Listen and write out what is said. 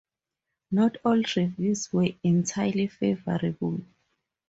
Not all reviews were entirely favorable.